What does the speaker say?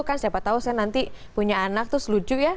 kan siapa tau saya nanti punya anak tuh selucu ya